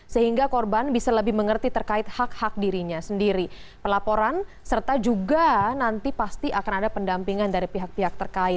sehingga korban bisa lebih mengerti terkait hak hak dirinya sendiri